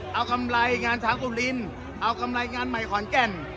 เอากำไรงานชาวกุลินเอากำไรงานใหม่ขอนแก่น